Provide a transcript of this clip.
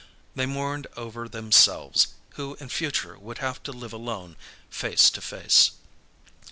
They mourned over themselves, who in future would have to live alone, face to face.